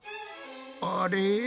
あれ？